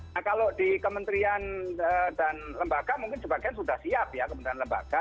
nah kalau di kementerian dan lembaga mungkin sebagian sudah siap ya kementerian lembaga